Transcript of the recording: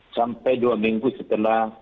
sampai dua minggu setelah